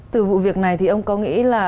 từ vụ việc này thì ông có nghĩ là